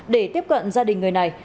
để tiếp cận gia đình người này